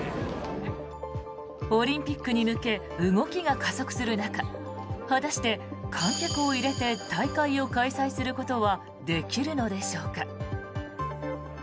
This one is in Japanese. オリンピックに向け動きが加速する中果たして観客を入れて大会を開催することはできるのでしょうか。